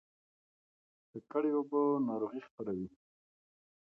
ککړې اوبه ناروغي خپروي